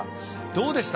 どうでした？